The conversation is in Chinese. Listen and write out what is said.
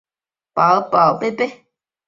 伦敦通勤带。